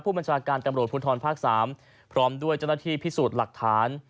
บัญชาการตำรวจภูทรภาค๓พร้อมด้วยเจ้าหน้าที่พิสูจน์หลักฐาน